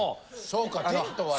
そうかテントはな。